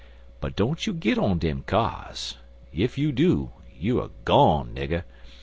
But don't you git on dem kyars. Ef you do, you er gone nigger.